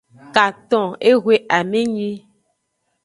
Katon ehwe amenyi.